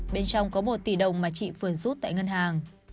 bên trong có một tỷ đồng mà chị phương rút tại ngân hàng